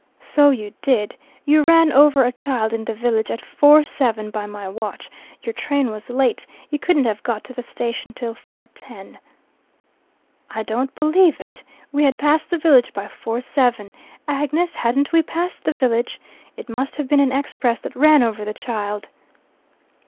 "So you did. You ran over a child in the village at four seven by my watch. Your train was late. You couldn't have got to the station till four ten." "I don't believe it. We had passed the village by four seven. Agnes, hadn't we passed the village? It must have been an express that ran over the child."